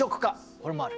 これもある。